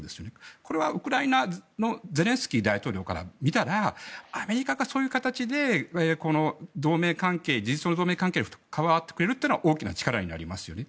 これはウクライナのゼレンスキー大統領から見たらアメリカがそういう形で事実上の同盟関係に関わってくれるのは大きな力になりますよね。